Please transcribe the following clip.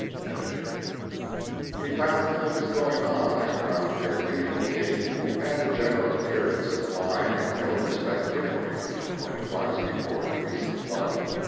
Ed.] We found things going on at about their usual gait, and the general appearance of the mine in no respect differing from what it was before the recent flood.